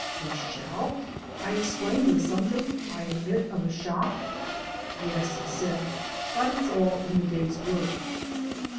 "We shall!" I exclaimed with something, I admit, of a shock. "Yes," he said, "but it is all in the day's work."